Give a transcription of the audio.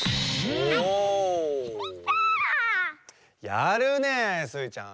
やるねえスイちゃん。